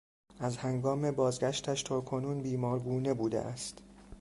از هنگام بازگشتش تاکنون بیمار گونه بودهاست.